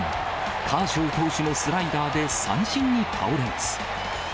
カーショウ投手のスライダーで三振に倒れます。